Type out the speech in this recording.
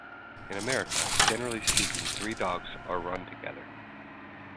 In America, generally speaking three dogs are run together.